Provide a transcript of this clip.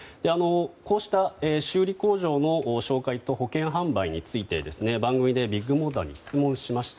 こうした修理工場の紹介と保険販売について番組でビッグモーターに質問しました。